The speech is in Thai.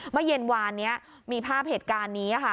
เมื่อเย็นวานนี้มีภาพเหตุการณ์นี้ค่ะ